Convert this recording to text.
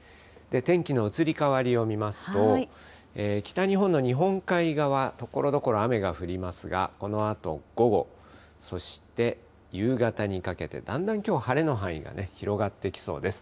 天気の移り変わりを見ますと、北日本の日本海側、ところどころ雨が降りますが、このあと午後、そして夕方にかけて、だんだんきょう、晴れの範囲がね、広がっていきそうです。